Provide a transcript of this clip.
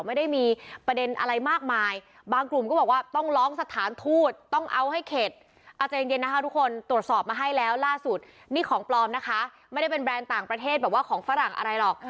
ไม่ได้มีประเด็นอะไรมากมายบางกลุ่มก็บอกว่าต้องร้องสถานทูตต้องเอาให้เข็ดเอาใจเย็นนะคะทุกคนตรวจสอบมาให้แล้วล่าสุดนี่ของปลอมนะคะไม่ได้เป็นแบรนด์ต่างประเทศแบบว่าของฝรั่งอะไรหรอก